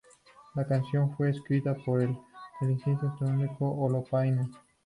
La canción fue escrita por el teclista Tuomas Holopainen.